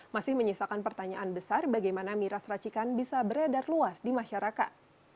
masih menyisakan pertanyaan besar bagaimana miras racikan bisa beredar luas di masyarakat